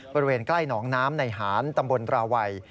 บริเวณใกล้หนองน้ำในหารตำบลราวัย